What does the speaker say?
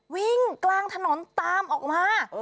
วิ่งกลางถนนตามออกมา